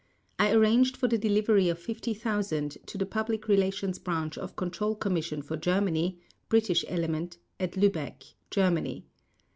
I arranged for the delivery of 50,000 to the Public Relations Branch of Control Commission for Germany (British Element) at Lübeck, Germany.